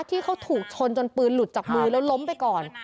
ที่เขาถูกชนจนปืนหลุดจากมือแล้วล้มไปก่อน